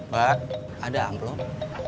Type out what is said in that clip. pak ada amplom